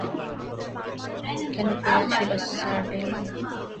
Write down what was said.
কেন ফিরে আসলে শার্লেট?